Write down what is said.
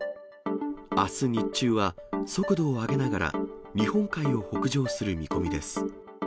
あす日中は、速度を上げながら、日本海を北上する見込みです。